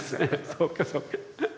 そうかそうか。